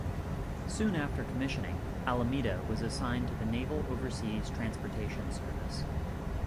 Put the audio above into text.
Soon after commissioning, "Alameda" was assigned to the Naval Overseas Transportation Service.